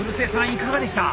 いかがでした？